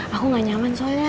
aku gak nyaman soalnya